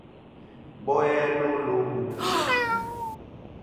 Bòl yêê lôlôo bum.